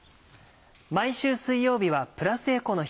毎週水曜日はプラスエコの日。